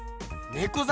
ねこざ